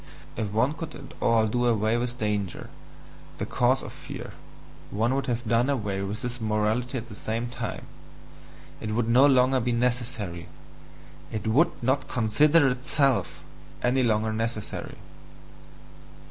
If one could at all do away with danger, the cause of fear, one would have done away with this morality at the same time, it would no longer be necessary, it WOULD NOT CONSIDER ITSELF any longer necessary!